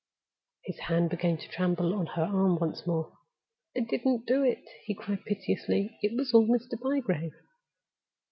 His hand began to tremble on her arm once more. "I didn't do it!" he cried piteously. "It was all Mr. Bygrave."